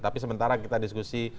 tapi sementara kita diskusi